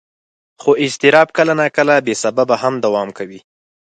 خو اضطراب کله ناکله بې سببه هم دوام کوي.